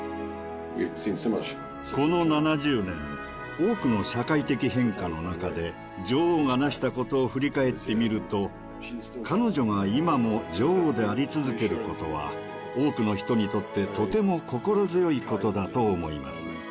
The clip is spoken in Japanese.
この７０年多くの社会的変化の中で女王がなしたことを振り返ってみると彼女が今も女王であり続けることは多くの人にとってとても心強いことだと思います。